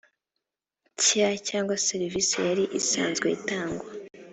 nshya cyangwa serivisi yari isanzwe itangwa